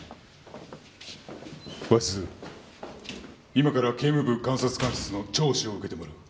今から警務部監察官室の聴取を受けてもらう。